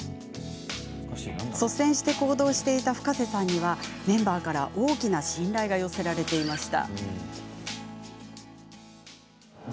率先して行動していたＦｕｋａｓｅさんにはメンバーから大きな信頼が寄せられていました。